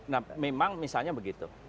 nah memang misalnya begitu